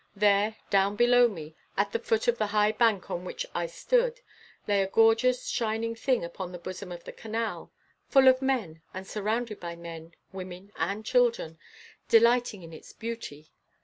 There, down below me, at the foot of the high bank on which I stood, lay a gorgeous shining thing upon the bosom of the canal, full of men, and surrounded by men, women, and children, delighting in its beauty.